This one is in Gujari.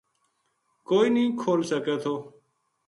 کوئی نیہہ کھول سکے تھو